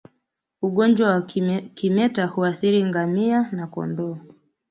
Ugonjwa wa kimeta huathiri ngamia na kondoo